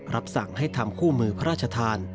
รับสั่งให้ทำคู่มือพระราชทาน